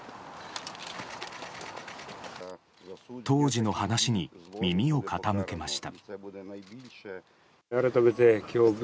当時の話に耳を傾けました。